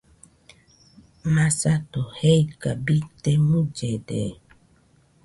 Masato jeika bite mullede.